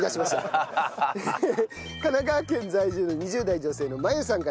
神奈川県在住の２０代女性の真由さんから頂きました。